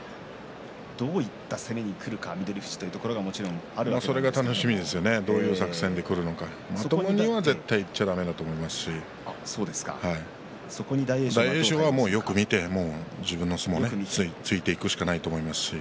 どういった攻めにくるか翠富士というところがそれが楽しみですねどういう作戦でくるかまともにはいっちゃだめだと思いますし大栄翔はよく見て自分の相撲でついていくしかないと思いますし。